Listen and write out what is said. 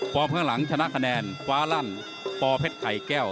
ข้างหลังชนะคะแนนฟ้าลั่นปอเพชรไข่แก้ว